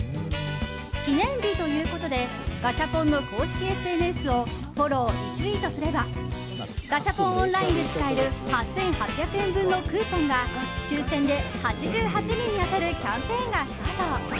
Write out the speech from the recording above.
記念日ということでガシャポンの公式ＳＮＳをフォロー、リツイートすればガシャポンオンラインで使える８８００円分のクーポンが抽選で８８人に当たるキャンペーンがスタート。